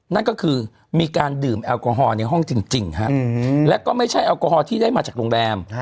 นั่นก็คือมีการดื่มแอลกอฮอลในห้องจริงแล้วก็ไม่ใช่แอลกอฮอลที่ได้มาจากโรงแรม